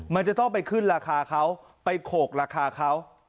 มันจะต้องไปขึ้นราคาเขาไปโขกราคาเขา